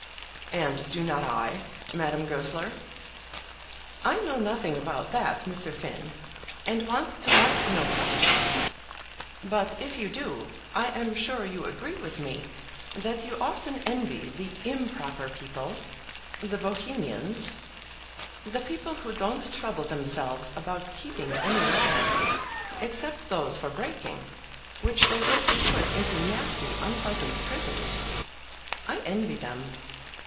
"And do not I, Madame Goesler?" "I know nothing about that, Mr. Finn, and want to ask no questions. But if you do, I am sure you agree with me that you often envy the improper people, the Bohemians, the people who don't trouble themselves about keeping any laws except those for breaking which they would be put into nasty, unpleasant prisons. I envy them.